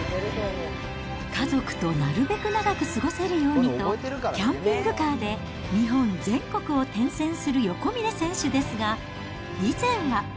家族となるべく長く過ごせるようにと、キャンピングカーで日本全国を転戦する横峯選手ですが、以前は。